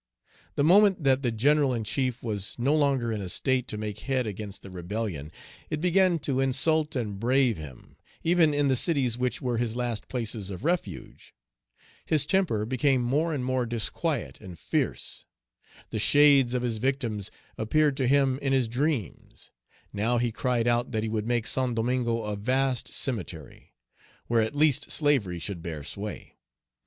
The moment that the General in chief was no longer in a state to make head against the rebellion, it began to insult and brave him, even in the cities which were his last places of refuge. His temper became more and more disquiet and fierce. The shades of his victims appeared to him in his dreams. Now he cried out that he would make Saint Domingo a vast cemetery, where at least slavery should bear sway.